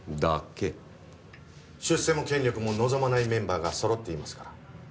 出世も権力も望まないメンバーがそろっていますから。